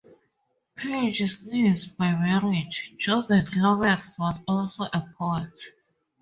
Page's niece by marriage, Judith Lomax, was also a poet.